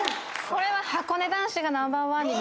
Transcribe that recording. これははこね男子がナンバーワンに。